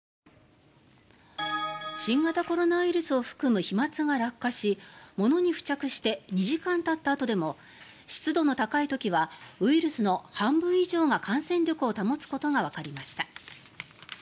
新型コロナウイルスを含む飛まつが落下し物に付着して２時間たったあとでも湿度の高い時はウイルスの半分以上が感染力を保つことがわかりました。